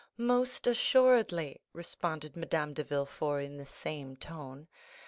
"Most assuredly," responded Madame de Villefort in the same tone.